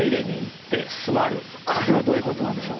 これはどういうことなんでしょう？